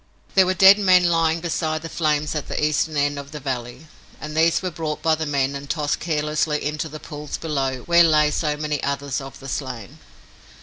There were dead men lying beside the flames at the Eastern end of the valley, and these were brought by the men and tossed carelessly into the pools below where lay so many others of the slain.